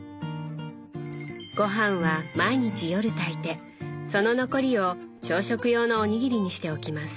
ごはんは毎日夜炊いてその残りを朝食用のおにぎりにしておきます。